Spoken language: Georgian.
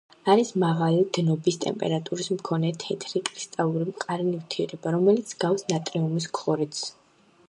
არის მაღალი დნობის ტემპერატურის მქონე თეთრი, კრისტალური მყარი ნივთიერება, რომელიც ჰგავს ნატრიუმის ქლორიდს.